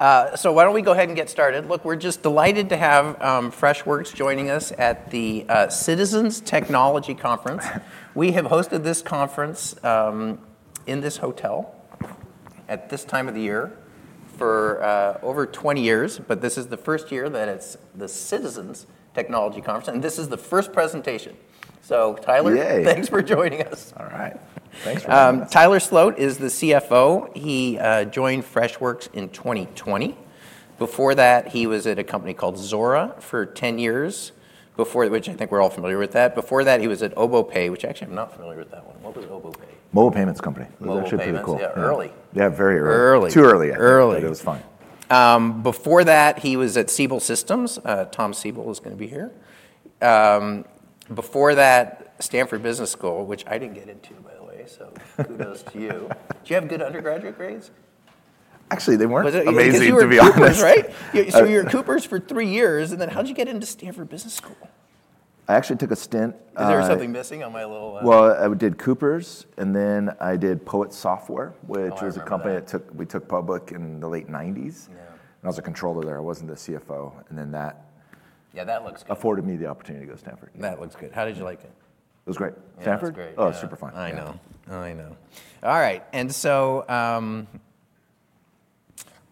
So why don't we go ahead and get started? Look, we're just delighted to have Freshworks joining us at the Citizens Technology Conference. We have hosted this conference in this hotel at this time of the year for over 20 years, but this is the first year that it's the Citizens Technology Conference, and this is the first presentation. So Tyler, thanks for joining us. All right. Thanks for having me. Tyler Sloat is the CFO. He joined Freshworks in 2020. Before that, he was at a company called Zuora for 10 years, which I think we're all familiar with. Before that, he was at Obopay, which actually I'm not familiar with that one. What was Obopay? Mobile payments company. Mobile payments. That's pretty cool. Early. Yeah, very early. Early. Too early. Early. It was fun. Before that, he was at Siebel Systems. Tom Siebel is going to be here. Before that, Stanford Business School, which I didn't get into, by the way, so kudos to you. Did you have good undergraduate grades? Actually, they weren't amazing, to be honest. Right? So you were at Coopers for three years, and then how did you get into Stanford Business School? I actually took a stint. Is there something missing on my little? I did Coopers, and then I did POET Software, which was a company that we took public in the late 1990s. I was a controller there. I wasn't the CFO. And then that. Yeah, that looks good. Afforded me the opportunity to go to Stanford. That looks good. How did you like it? It was great. Stanford? It was great. Oh, it was super fun. I know. I know. All right. And so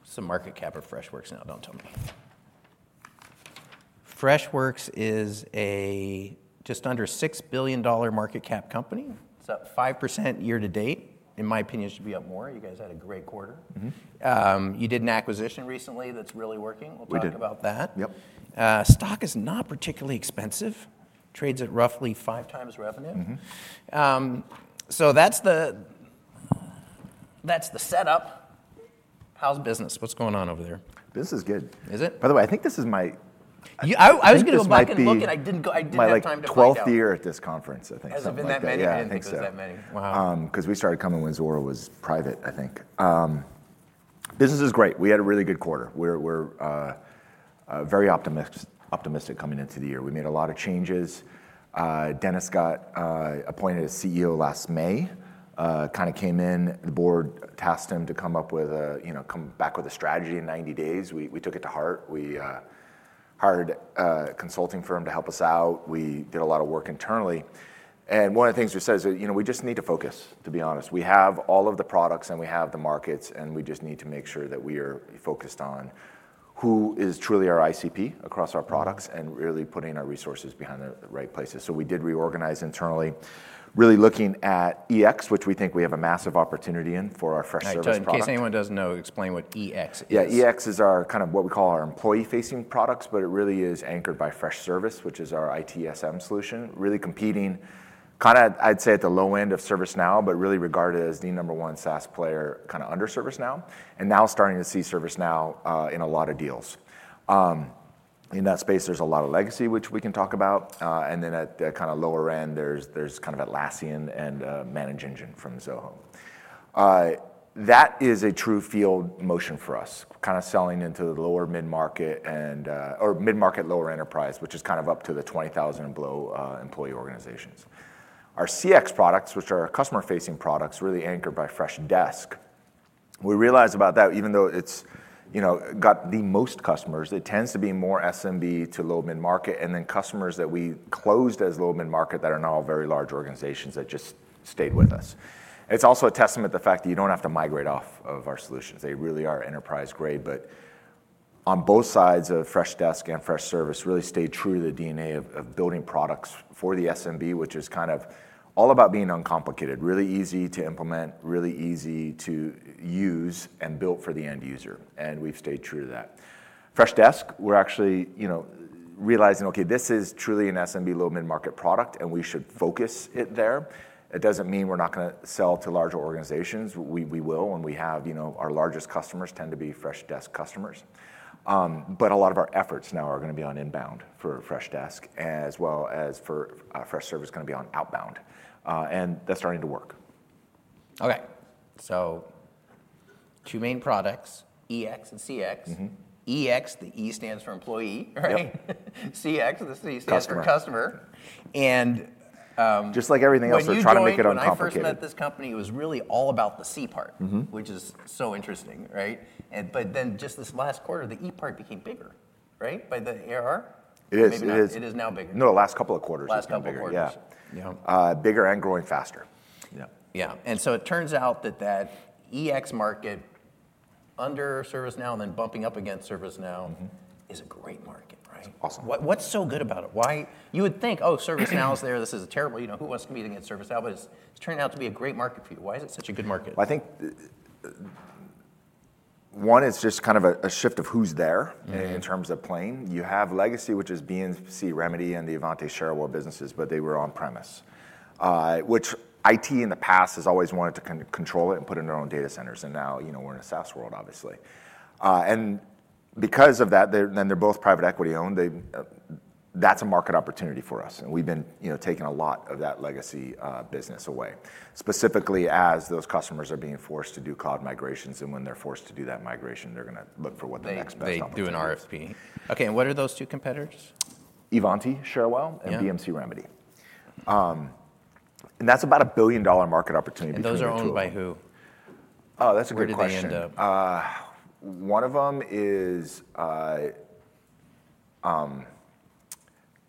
what's the market cap of Freshworks now? Don't tell me. Freshworks is a just under $6 billion market cap company. It's up 5% year-to-date. In my opinion, it should be up more. You guys had a great quarter. You did an acquisition recently that's really working. We'll talk about that. Yep. Stock is not particularly expensive. Trades at roughly 5x revenue. So that's the setup. How's business? What's going on over there? Business is good. Is it? By the way, I think this is my. I was going to go back and look, and I didn't have time to watch it. My 12th year at this conference, I think. Has it been that many? I didn't think so. Wow. Because we started coming when Zuora was private, I think. Business is great. We had a really good quarter. We're very optimistic coming into the year. We made a lot of changes. Dennis got appointed as CEO last May, kind of came in. The board tasked him to come back with a strategy in 90 days. We took it to heart. We hired a consulting firm to help us out. We did a lot of work internally. And one of the things we said is we just need to focus, to be honest. We have all of the products, and we have the markets, and we just need to make sure that we are focused on who is truly our ICP across our products and really putting our resources behind the right places. So we did reorganize internally, really looking at EX, which we think we have a massive opportunity in for our Freshservice cloud. Just in case anyone doesn't know, explain what EX is. Yeah, EX is kind of what we call our employee-facing products, but it really is anchored by Freshservice, which is our ITSM solution. Really competing, kind of I'd say at the low end of ServiceNow, but really regarded as the number one SaaS player kind of under ServiceNow, and now starting to see ServiceNow in a lot of deals. In that space, there's a lot of legacy, which we can talk about. And then at the kind of lower end, there's kind of Atlassian and ManageEngine from Zoho. That is a true field motion for us, kind of selling into the lower mid-market or mid-market lower enterprise, which is kind of up to the 20,000 and below employee organizations. Our CX products, which are our customer-facing products, really anchored by Freshdesk. We realized about that, even though it's got the most customers, it tends to be more SMB to low mid-market, and then customers that we closed as low mid-market that are now very large organizations that just stayed with us. It's also a testament to the fact that you don't have to migrate off of our solutions. They really are enterprise grade, but on both sides of Freshdesk and Freshservice, really stayed true to the DNA of building products for the SMB, which is kind of all about being uncomplicated, really easy to implement, really easy to use, and built for the end user. And we've stayed true to that. Freshdesk, we're actually realizing, okay, this is truly an SMB low mid-market product, and we should focus it there. It doesn't mean we're not going to sell to larger organizations. We will, and we have our largest customers tend to be Freshdesk customers. But a lot of our efforts now are going to be on inbound for Freshdesk, as well as for Freshservice is going to be on outbound. And that's starting to work. Okay. So two main products, EX and CX. EX, the E stands for employee. Right? CX, the C stands for customer. And. Just like everything else, we try to make it uncomplicated. Freshworks met this company. It was really all about the C part, which is so interesting. Right? But then just this last quarter, the E part became bigger. Right? By the AR? It is. Maybe it is now bigger. No, the last couple of quarters has been bigger. Last couple of quarters. Yeah. Bigger and growing faster. Yeah, and so it turns out that that EX market under ServiceNow and then bumping up against ServiceNow is a great market. Right? Awesome. What's so good about it? You would think, oh, ServiceNow is there. This is a terrible. Who wants to compete against ServiceNow? But it's turned out to be a great market for you. Why is it such a good market? I think, one, it's just kind of a shift of who's there in terms of playing. You have legacy, which is BMC Remedy and the Ivanti Cherwell businesses, but they were on-premise, which IT in the past has always wanted to control it and put it in their own data centers, and now we're in a SaaS world, obviously, and because of that, then they're both private equity owned. That's a market opportunity for us, and we've been taking a lot of that legacy business away, specifically as those customers are being forced to do cloud migrations. And when they're forced to do that migration, they're going to look for what the next best opportunity. They do an RFP. Okay, and what are those two competitors? Ivanti Cherwell and BMC Remedy. And that's about a $1 billion market opportunity between the two. Those are owned by who? Oh, that's a great question. One of them is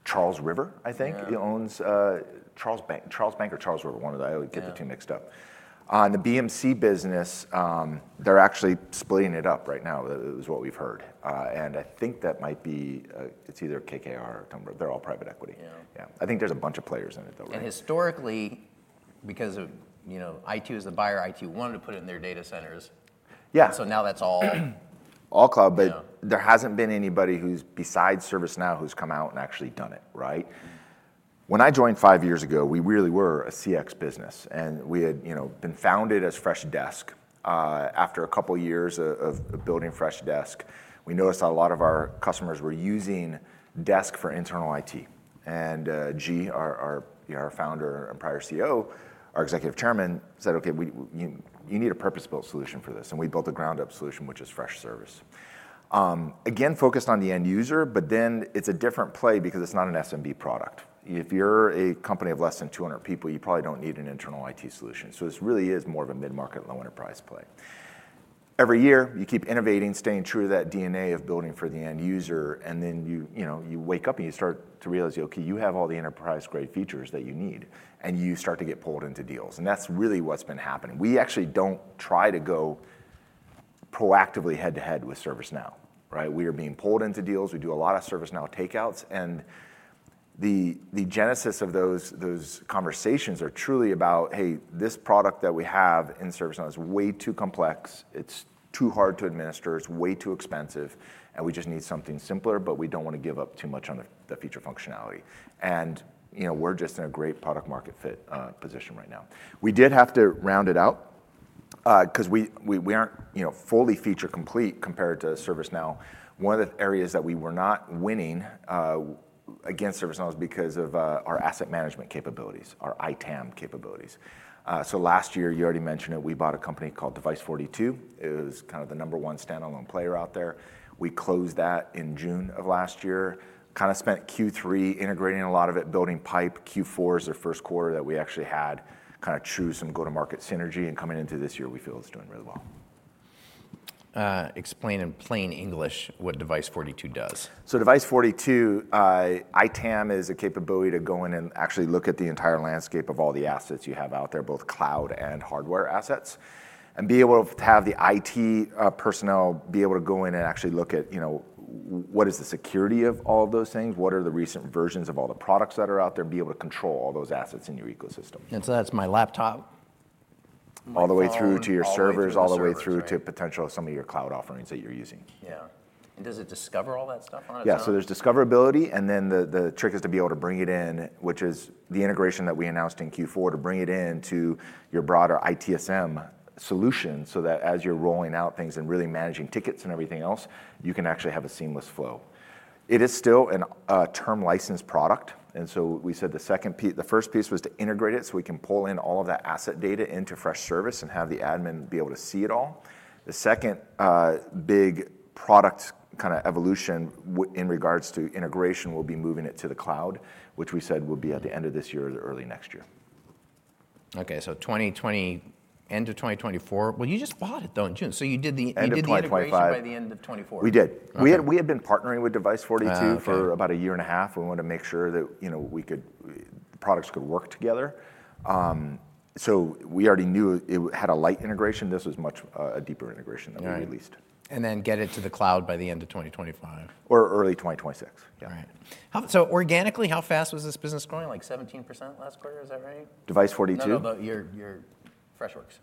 Charles River, I think. Charlesbank or Charles River, one of them. I always get the two mixed up. And the BMC business, they're actually splitting it up right now, is what we've heard. And I think that might be it's either KKR or Thoma Bravo. They're all private equity. Yeah, I think there's a bunch of players in it, though. Historically, because IT was the buyer, IT wanted to put it in their data centers. Yeah, so now that's all. All cloud, but there hasn't been anybody who's besides ServiceNow who's come out and actually done it. Right? When I joined five years ago, we really were a CX business. And we had been founded as Freshdesk. After a couple of years of building Freshdesk, we noticed a lot of our customers were using Freshdesk for internal IT. And G, our founder and prior CEO, our executive chairman, said, "Okay, you need a purpose-built solution for this." And we built a ground-up solution, which is Freshservice. Again, focused on the end user, but then it's a different play because it's not an SMB product. If you're a company of less than 200 people, you probably don't need an internal IT solution. So this really is more of a mid-market low enterprise play. Every year, you keep innovating, staying true to that DNA of building for the end user. And then you wake up and you start to realize, okay, you have all the enterprise-grade features that you need, and you start to get pulled into deals. And that's really what's been happening. We actually don't try to go proactively head-to-head with ServiceNow. We are being pulled into deals. We do a lot of ServiceNow takeouts. And the genesis of those conversations are truly about, "Hey, this product that we have in ServiceNow is way too complex. It's too hard to administer. It's way too expensive. And we just need something simpler, but we don't want to give up too much on the feature functionality." And we're just in a great product-market fit position right now. We did have to round it out because we aren't fully feature complete compared to ServiceNow. One of the areas that we were not winning against ServiceNow was because of our asset management capabilities, our ITAM capabilities. So last year, you already mentioned it, we bought a company called Device42. It was kind of the number one standalone player out there. We closed that in June of last year, kind of spent Q3 integrating a lot of it, building pipe. Q4 is the first quarter that we actually had kind of true some go-to-market synergy. And coming into this year, we feel it's doing really well. Explain in plain English what Device42 does. Device42, ITAM is a capability to go in and actually look at the entire landscape of all the assets you have out there, both cloud and hardware assets, and be able to have the IT personnel be able to go in and actually look at what is the security of all of those things, what are the recent versions of all the products that are out there, and be able to control all those assets in your ecosystem. And so that's my laptop. All the way through to your servers, all the way through to potential of some of your cloud offerings that you're using. Yeah. And does it discover all that stuff on itself? Yeah. So there's discoverability. And then the trick is to be able to bring it in, which is the integration that we announced in Q4 to bring it into your broader ITSM solution so that as you're rolling out things and really managing tickets and everything else, you can actually have a seamless flow. It is still a term licensed product. And so we said the first piece was to integrate it so we can pull in all of that asset data into Freshservice and have the admin be able to see it all. The second big product kind of evolution in regards to integration will be moving it to the cloud, which we said will be at the end of this year or early next year. Okay. So end of 2024. Well, you just bought it, though, in June. So you did the. And 2025. By the end of 2024. We did. We had been partnering with Device42 for about a year and a half. We wanted to make sure that the products could work together. So we already knew it had a light integration. This was much a deeper integration that we released. And then get it to the cloud by the end of 2025. Or early 2026. All right, so organically, how fast was this business growing? Like 17% last quarter. Is that right? Device42? No, but your Freshworks.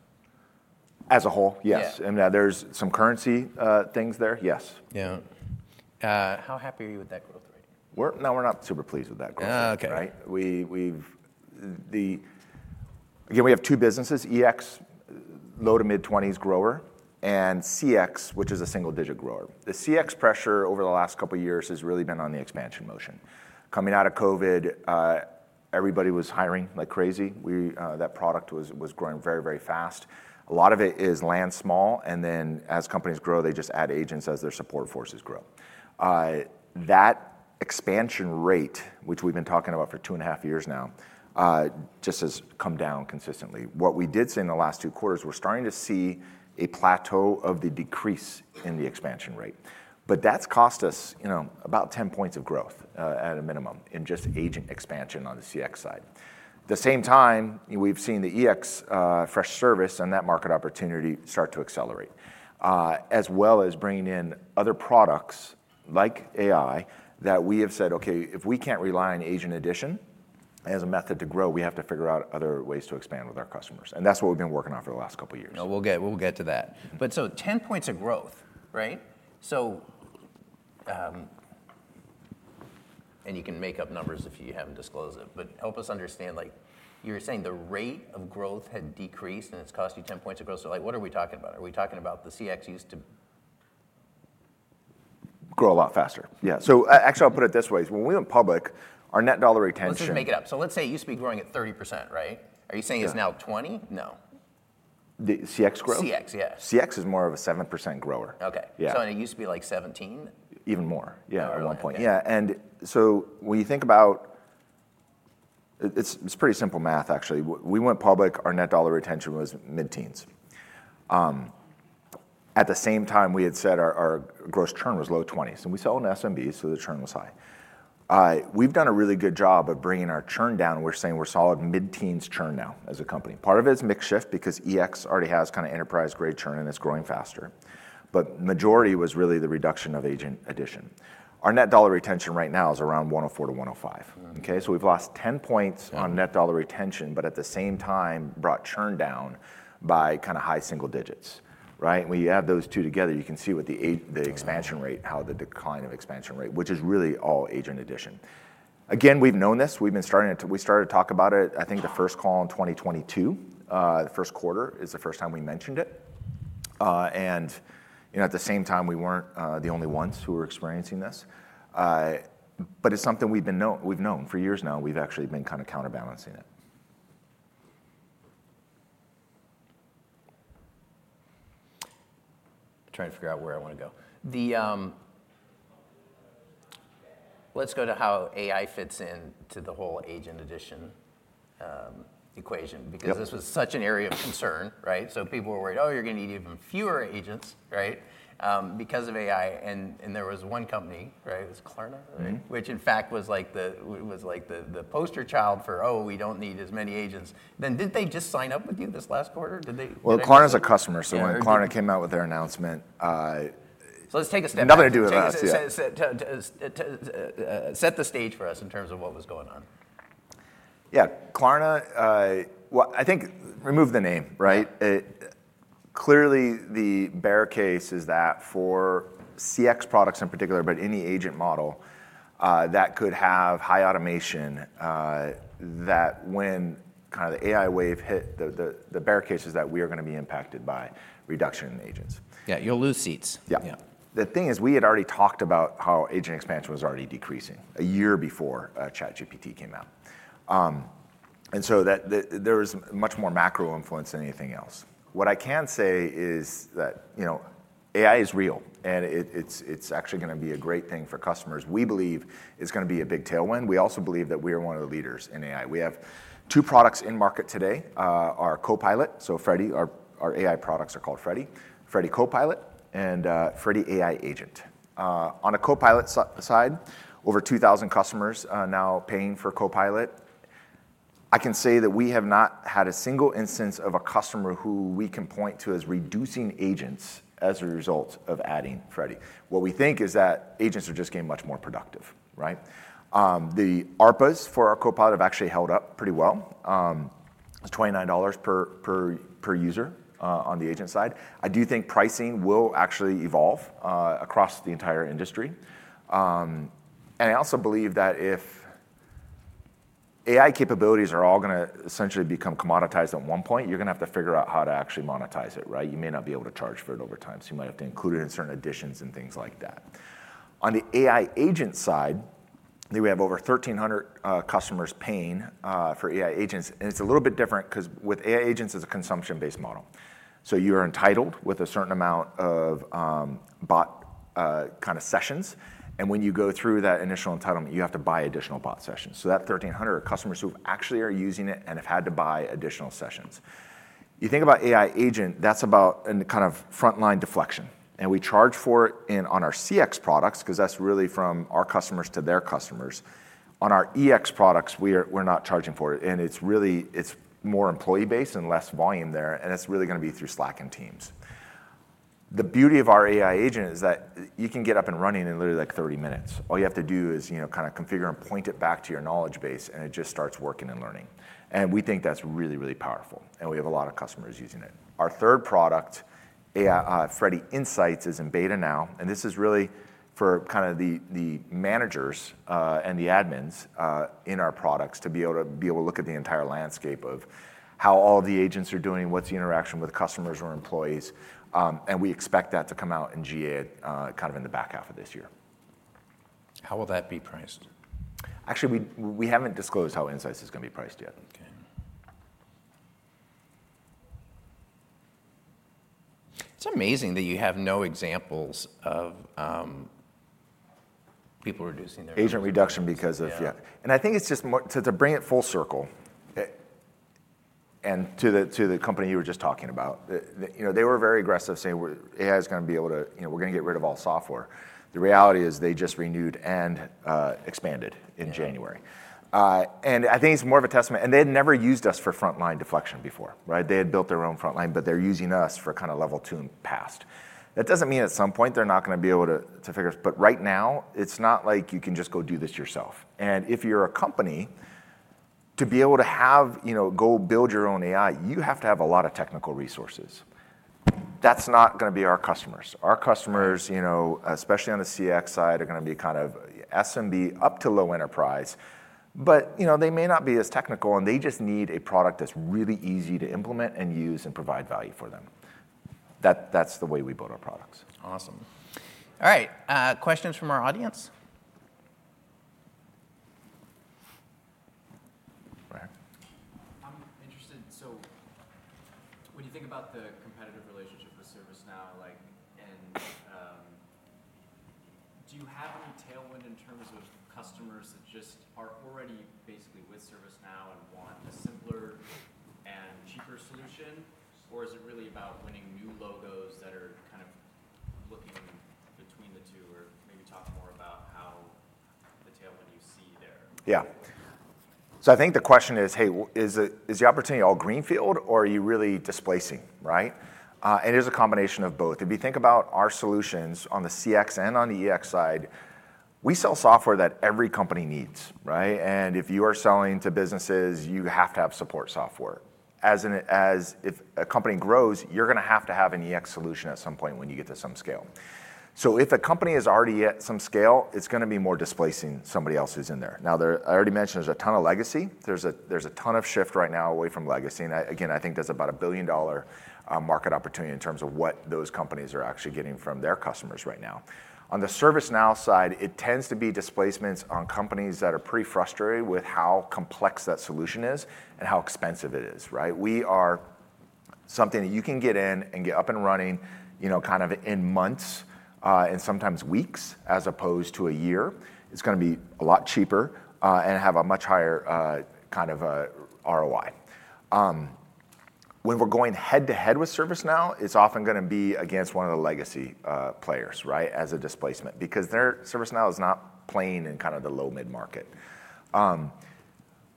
As a whole, yes, and there's some currency things there. Yes. Yeah. How happy are you with that growth rate? We're not super pleased with that growth rate. Again, we have two businesses: EX, low- to mid-20s grower, and CX, which is a single-digit grower. The CX pressure over the last couple of years has really been on the expansion motion. Coming out of COVID, everybody was hiring like crazy. That product was growing very, very fast. A lot of it is land small. And then as companies grow, they just add agents as their support forces grow. That expansion rate, which we've been talking about for two and a half years now, just has come down consistently. What we did see in the last two quarters, we're starting to see a plateau of the decrease in the expansion rate. But that's cost us about 10 points of growth at a minimum in just agent expansion on the CX side. At the same time, we've seen the EX, Freshservice, and that market opportunity start to accelerate, as well as bringing in other products like AI that we have said, "Okay, if we can't rely on agent addition as a method to grow, we have to figure out other ways to expand with our customers," and that's what we've been working on for the last couple of years. We'll get to that. But so 10 points of growth. Right? And you can make up numbers if you haven't disclosed it. But help us understand, you were saying the rate of growth had decreased, and it's cost you 10 points of growth. So what are we talking about? Are we talking about the CX used to? Grow a lot faster. Yeah. So actually, I'll put it this way. When we went public, our net dollar retention. Let's just make it up. So let's say it used to be growing at 30%. Right? Are you saying it's now 20%? No. The CX growth? CX, yes. CX is more of a 7% grower. Okay. So it used to be like 17? Even more, yeah, at one point. Yeah. And so when you think about, it's pretty simple math, actually. We went public, our net dollar retention was mid-teens. At the same time, we had said our gross churn was low 20s. And we sold an SMB, so the churn was high. We've done a really good job of bringing our churn down. We're saying we're solid mid-teens churn now as a company. Part of it is mix shift because EX already has kind of enterprise-grade churn, and it's growing faster. But the majority was really the reduction of agent attrition. Our net dollar retention right now is around 104%-105%. Okay? So we've lost 10 points on net dollar retention, but at the same time, brought churn down by kind of high single digits. Right? When you add those two together, you can see with the expansion rate how the decline of expansion rate, which is really all agent addition. Again, we've known this. We started to talk about it, I think, the first call in 2022, the first quarter is the first time we mentioned it. And at the same time, we weren't the only ones who were experiencing this. But it's something we've known for years now. We've actually been kind of counterbalancing it. Trying to figure out where I want to go. Let's go to how AI fits into the whole agent addition equation because this was such an area of concern. Right? So people were worried, "Oh, you're going to need even fewer agents," right, because of AI. And there was one company, right, it was Klarna, which in fact was like the poster child for, "Oh, we don't need as many agents." Then did they just sign up with you this last quarter? Klarna is a customer. When Klarna came out with their announcement. So let's take a step back. Now they're doing it. Set the stage for us in terms of what was going on. Yeah. Klarna, well, I think remove the name. Right? Clearly, the bear case is that for CX products in particular, but any agent model that could have high automation, that when kind of the AI wave hit, the bear case is that we are going to be impacted by reduction in agents. Yeah. You'll lose seats. Yeah. The thing is, we had already talked about how agent expansion was already decreasing a year before ChatGPT came out. And so there was much more macro influence than anything else. What I can say is that AI is real, and it's actually going to be a great thing for customers. We believe it's going to be a big tailwind. We also believe that we are one of the leaders in AI. We have two products in market today: our Copilot. So Freddy, our AI products are called Freddy, Freddy Copilot, and Freddy AI Agent. On the Copilot side, over 2,000 customers now paying for Copilot. I can say that we have not had a single instance of a customer who we can point to as reducing agents as a result of adding Freddy. What we think is that agents are just getting much more productive. Right? The ARPAs for our Copilot have actually held up pretty well. It's $29 per user on the agent side. I do think pricing will actually evolve across the entire industry, and I also believe that if AI capabilities are all going to essentially become commoditized at one point, you're going to have to figure out how to actually monetize it. Right? You may not be able to charge for it over time, so you might have to include it in certain additions and things like that. On the AI agent side, we have over 1,300 customers paying for AI agents, and it's a little bit different because with AI agents, it's a consumption-based model. So you are entitled with a certain amount of bot kind of sessions, and when you go through that initial entitlement, you have to buy additional bot sessions. So that 1,300 are customers who actually are using it and have had to buy additional sessions. You think about AI agent, that's about kind of frontline deflection. And we charge for it on our CX products because that's really from our customers to their customers. On our EX products, we're not charging for it. And it's more employee-based and less volume there. And it's really going to be through Slack and Teams. The beauty of our AI agent is that you can get up and running in literally like 30 minutes. All you have to do is kind of configure and point it back to your knowledge base, and it just starts working and learning. And we think that's really, really powerful. And we have a lot of customers using it. Our third product, Freddy Insights, is in beta now. This is really for kind of the managers and the admins in our products to be able to look at the entire landscape of how all the agents are doing, what's the interaction with customers or employees. We expect that to come out in GA kind of in the back half of this year. How will that be priced? Actually, we haven't disclosed how Insights is going to be priced yet. Okay. It's amazing that you have no examples of people reducing their agents. Agent reduction because of yeah. And I think it's just to bring it full circle and to the company you were just talking about. They were very aggressive saying AI is going to be able to, we're going to get rid of all software. The reality is they just renewed and expanded in January. And I think it's more of a testament. And they had never used us for frontline deflection before. Right? They had built their own frontline, but they're using us for kind of level two and past. That doesn't mean at some point they're not going to be able to figure it out. But right now, it's not like you can just go do this yourself. And if you're a company, to be able to go build your own AI, you have to have a lot of technical resources. That's not going to be our customers. Our customers, especially on the CX side, are going to be kind of SMB up to low enterprise. But they may not be as technical, and they just need a product that's really easy to implement and use and provide value for them. That's the way we build our products. Awesome. All right. Questions from our audience? I'm interested. So when you think about the competitive relationship with ServiceNow, do you have any tailwind in terms of customers that just are already basically with ServiceNow and want a simpler and cheaper solution? Or is it really about winning new logos that are kind of looking between the two? Or maybe talk more about how the tailwind you see there? Yeah. So I think the question is, hey, is the opportunity all greenfield, or are you really displacing? Right? And it is a combination of both. If you think about our solutions on the CX and on the EX side, we sell software that every company needs. Right? And if you are selling to businesses, you have to have support software. If a company grows, you're going to have to have an EX solution at some point when you get to some scale. So if a company is already at some scale, it's going to be more displacing somebody else who's in there. Now, I already mentioned there's a ton of legacy. There's a ton of shift right now away from legacy. And again, I think there's about a billion-dollar market opportunity in terms of what those companies are actually getting from their customers right now. On the ServiceNow side, it tends to be displacements on companies that are pretty frustrated with how complex that solution is and how expensive it is. Right? We are something that you can get in and get up and running kind of in months and sometimes weeks as opposed to a year. It's going to be a lot cheaper and have a much higher kind of ROI. When we're going head-to-head with ServiceNow, it's often going to be against one of the legacy players as a displacement because ServiceNow is not playing in kind of the low-mid market.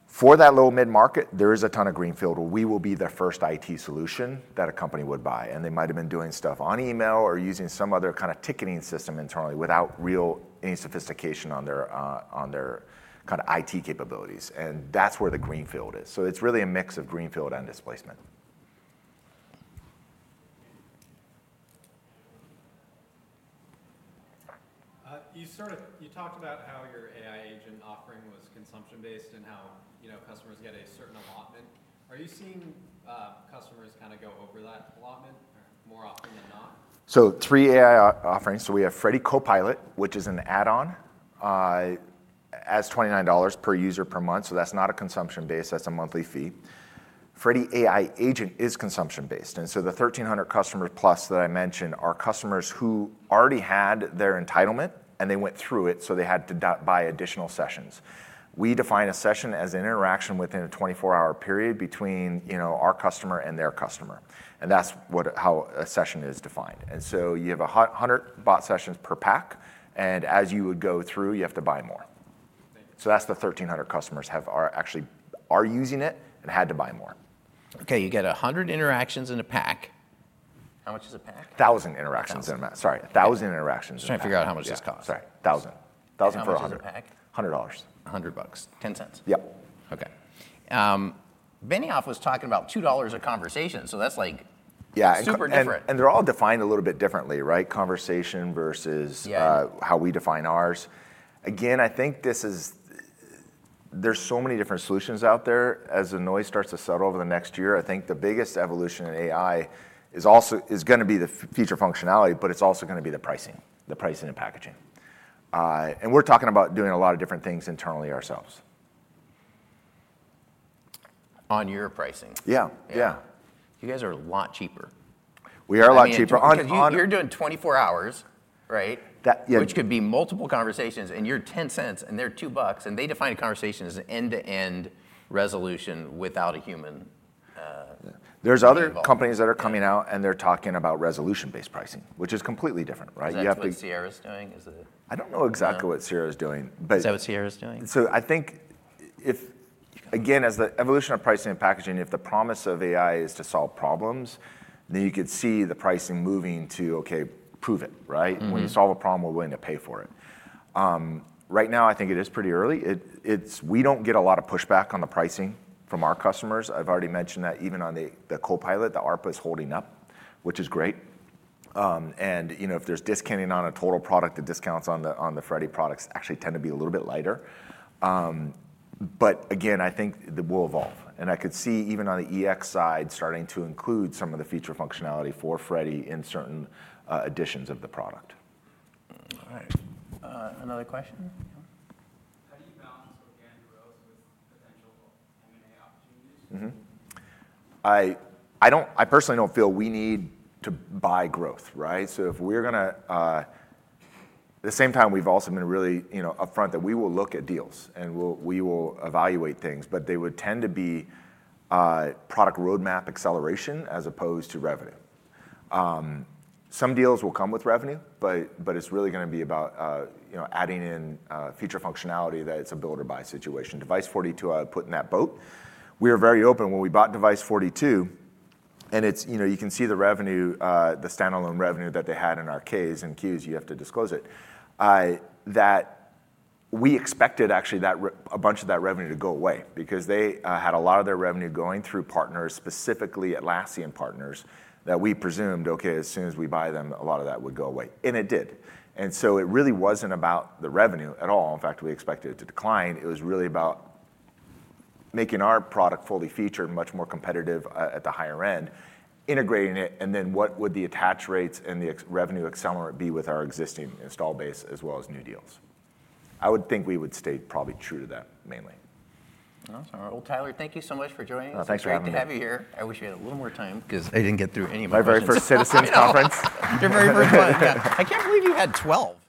For that low-mid market, there is a ton of greenfield. We will be the first IT solution that a company would buy. And they might have been doing stuff on email or using some other kind of ticketing system internally without really any sophistication on their kind of IT capabilities. And that's where the greenfield is. So it's really a mix of greenfield and displacement. You talked about how your AI agent offering was consumption-based and how customers get a certain allotment. Are you seeing customers kind of go over that allotment more often than not? We have three AI offerings. We have Freddy Copilot, which is an add-on at $29 per user per month. That's not a consumption-based model. That's a monthly fee. Freddy AI Agent is consumption-based. The 1,300 customers plus that I mentioned are customers who already had their entitlement, and they went through it, so they had to buy additional sessions. We define a session as an interaction within a 24-hour period between our customer and their customer. That's how a session is defined. You have 100 bot sessions per pack. As you would go through, you have to buy more. That's the 1,300 customers who actually are using it and had to buy more. Okay. You get 100 interactions in a pack. How much is a pack? 1,000 interactions. Sorry. 1,000 interactions. I was trying to figure out how much this costs. Sorry. $1,000. $1,000 for 100. $1,000 per pack? $100. 100 bucks. 10 cents. Yep. Okay. Benioff was talking about $2 a conversation, so that's like super different. Yeah. And they're all defined a little bit differently. Right? Conversation versus how we define ours. Again, I think this is. There's so many different solutions out there. As the noise starts to settle over the next year, I think the biggest evolution in AI is going to be the feature functionality, but it's also going to be the pricing, the pricing and packaging. And we're talking about doing a lot of different things internally ourselves. On your pricing. Yeah. Yeah. You guys are a lot cheaper. We are a lot cheaper. You're doing 24 hours, right, which could be multiple conversations, and you're $0.10, and they're $2, and they define a conversation as an end-to-end resolution without a human involved. There's other companies that are coming out, and they're talking about resolution-based pricing, which is completely different. Right? Is that what Sierra's doing? I don't know exactly what Sierra's doing, but. Is that what Sierra's doing? So I think, again, as the evolution of pricing and packaging, if the promise of AI is to solve problems, then you could see the pricing moving to, okay, prove it. Right? When you solve a problem, we're willing to pay for it. Right now, I think it is pretty early. We don't get a lot of pushback on the pricing from our customers. I've already mentioned that even on the Copilot, the ARPA is holding up, which is great. And if there's discounting on a total product, the discounts on the Freddy products actually tend to be a little bit lighter. But again, I think that we'll evolve. And I could see even on the EX side starting to include some of the feature functionality for Freddy in certain editions of the product. All right. Another question? How do you balance organic growth with potential M&A opportunities? I personally don't feel we need to buy growth. Right? So if we're going to at the same time, we've also been really upfront that we will look at deals, and we will evaluate things. But they would tend to be product roadmap acceleration as opposed to revenue. Some deals will come with revenue, but it's really going to be about adding in feature functionality that it's a build-or-buy situation. Device42, I would put in that boat. We are very open when we bought Device42. You can see the revenue, the standalone revenue that they had in our Ks and Qs. You have to disclose it. We expected, actually, a bunch of that revenue to go away because they had a lot of their revenue going through partners, specifically Atlassian partners, that we presumed. Okay, as soon as we buy them, a lot of that would go away. And it did. And so it really wasn't about the revenue at all. In fact, we expected it to decline. It was really about making our product fully featured, much more competitive at the higher end, integrating it, and then what would the attach rates and the revenue accelerant be with our existing install base as well as new deals. I would think we would stay probably true to that mainly. Tyler, thank you so much for joining us. Thanks for having me. Great to have you here. I wish we had a little more time. Because I didn't get through any of my questions. My very first Citizens Conference. Your very first one. I can't believe you had 12.